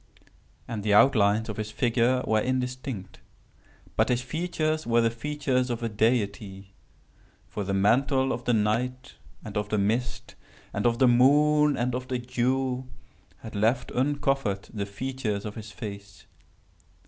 And the outlines of his figure were indistinct—but his features were the features of a deity; for the mantle of the night, and of the mist, and of the moon, and of the dew, had left uncovered the features of his face.